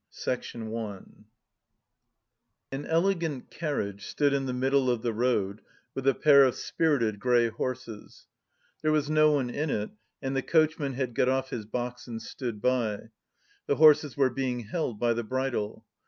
CHAPTER VII An elegant carriage stood in the middle of the road with a pair of spirited grey horses; there was no one in it, and the coachman had got off his box and stood by; the horses were being held by the bridle....